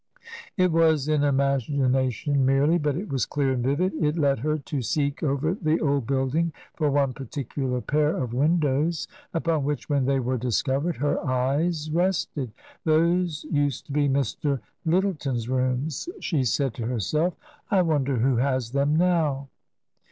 It was in imagina tion merely ; but it was clear and vivid. It led her to seek over the old building for one particular pair of windows, upon which, when they were discovered, her eyes rested. " Those used to be Mr. Lyttleton's rooms," she said to herself; " I wonder who has them now."